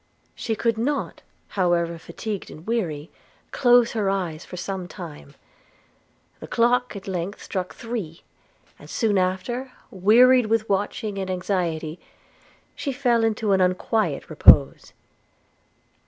She could not, however fatigued and weary, close her eyes for some time. The clock at length struck three; and soon after, wearied with watching and anxiety, she fell into an unquiet repose.